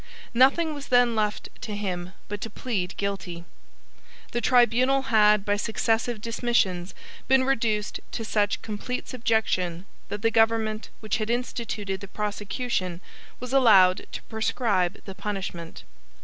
Nothing was then left to him but to plead guilty. The tribunal had, by successive dismissions, been reduced to such complete subjection, that the government which had instituted the prosecution was allowed to prescribe the punishment.